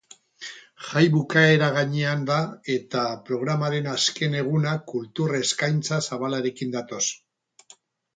Jai bukaera gainean da eta programaren azken egunak kultur eskaintza zabalarekin datoz.